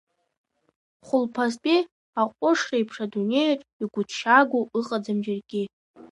Хәылԥазтәи аҟәышреиԥш адунеиаҿ игәыҭшьаагоу ыҟаӡам џьаргьы…